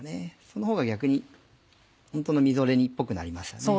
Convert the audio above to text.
そのほうが逆にホントのみぞれ煮っぽくなりますよね。